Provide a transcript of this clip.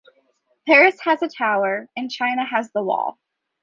Paris has the tower and China has the wall.